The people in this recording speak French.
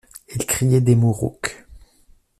Elle criait des mots rauques.